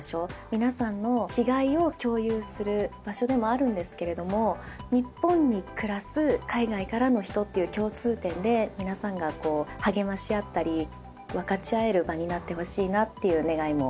皆さんの違いを共有する場所でもあるんですけれども日本に暮らす海外からの人という共通点で皆さんがこう励まし合ったり分かち合える場になってほしいなという願いもありました。